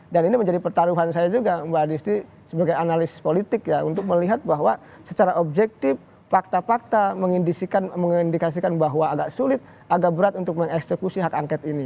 dan ini menjadi pertaruhan saya juga mbak adisti sebagai analis politik ya untuk melihat bahwa secara objektif fakta fakta mengindikasikan bahwa agak sulit agak berat untuk mengeksekusi hak angkat ini